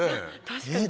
確かに。